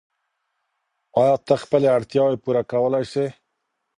آیا ته خپلې اړتیاوې پوره کولای سې؟